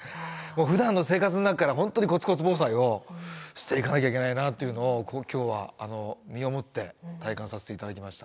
ふだんの生活の中から本当にコツコツ防災をしていかなきゃいけないなというのを今日は身をもって体感させて頂きました。